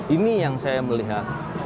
ini yang saya melihat